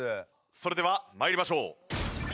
それでは参りましょう。